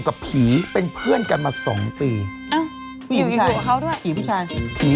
เขาอยู่กันได้อะ๒๐ปี